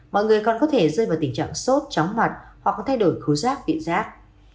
mọi người còn có thể rơi vào tình trạng sốt chóng mặt hoặc thay đổi khối rác viện rác